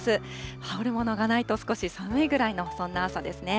羽織るものがないと少し寒いぐらいの、そんな朝ですね。